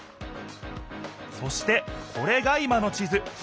そしてこれが今の地図。